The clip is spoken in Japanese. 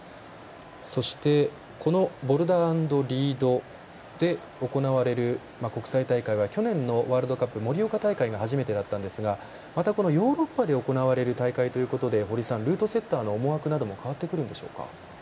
そして、このボルダー＆リードで行われる国際大会は去年のワールドカップ盛岡大会が初めてだったんですがまた、ヨーロッパで行われる大会ということでルートセッターの思惑なども変わってくるんでしょうか？